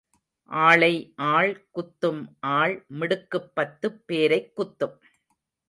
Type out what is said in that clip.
ஆளை ஆள் குத்தும் ஆள் மிடுக்குப் பத்துப் பேரைக் குத்தும்.